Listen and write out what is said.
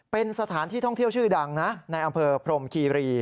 เป็นสถานที่ท่องเที่ยวชื่อดังนะในอำเภอพรมคีรี